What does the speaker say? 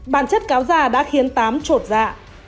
bản chất cáo ra đã khiến tám trột dạ